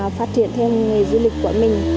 để phát triển thêm người du lịch của mình